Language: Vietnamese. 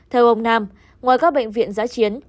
theo ông nam ngoài các bệnh viện giã chiến